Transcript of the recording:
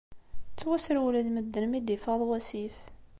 Ttwasrewlen medden mi d-ifaḍ wasif.